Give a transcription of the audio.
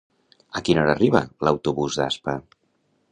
A quina hora arriba l'autobús d'Aspa?